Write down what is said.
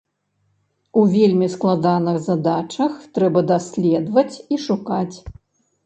У вельмі складаных задачах трэба даследаваць і шукаць.